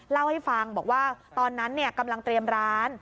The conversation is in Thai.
เล่าให้ฟังบอกว่าตอนนั้นกำลังเตรียมร้าน